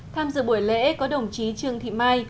tham dự buổi lễ có đồng chí trương thị mai